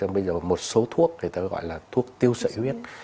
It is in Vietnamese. bây giờ một số thuốc người ta gọi là thuốc tiêu sợi huyết